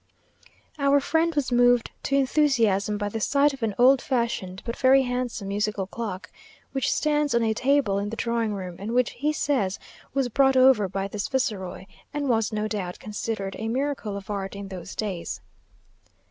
Our friend was moved to enthusiasm by the sight of an old fashioned but very handsome musical clock, which stands on a table in the drawing room, and which he says was brought over by this viceroy, and was no doubt considered a miracle of art in those days.